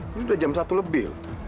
ini udah jam satu lebih